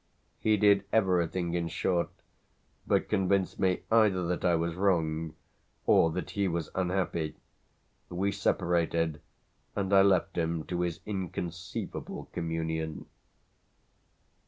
He did everything in short but convince me either that I was wrong or that he was unhappy; we separated, and I left him to his inconceivable communion.